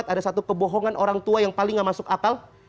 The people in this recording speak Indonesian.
ada satu kebohongan orang tua yang paling gak masuk akal